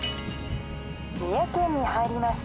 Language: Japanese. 三重県に入りました。